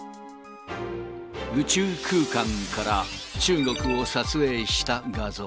宇宙空間から中国を撮影した画像。